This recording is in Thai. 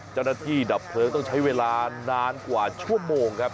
ดับเพลิงต้องใช้เวลานานกว่าชั่วโมงครับ